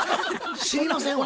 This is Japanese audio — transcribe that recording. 知りませんわ。